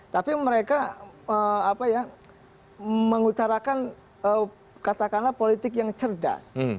tapi mereka mengutarakan katakanlah politik yang cerdas